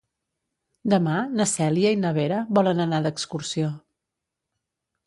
Demà na Cèlia i na Vera volen anar d'excursió.